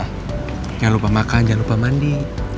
jangan lupa makan jangan lupa mandi